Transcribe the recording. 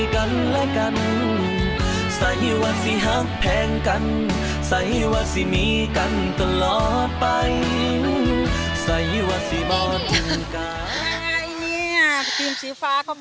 กันและกันห้าแพงกันมีกันตลอดไปให้ว่ามีฟ้าก่อน